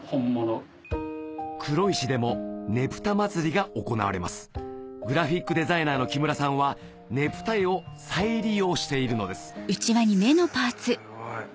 黒石でもねぷた祭りが行われますグラフィックデザイナーの木村さんはねぷた絵を再利用しているのですすごい。